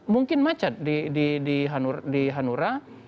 mungkin macet di hanura